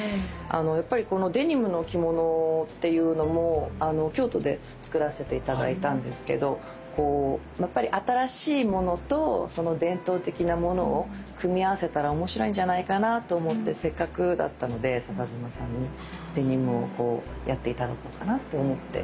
やっぱりこのデニムの着物っていうのも京都で作らせて頂いたんですけどやっぱり新しいものとその伝統的なものを組み合わせたら面白いんじゃないかなぁと思ってせっかくだったので笹島さんにデニムをやって頂こうかなと思って。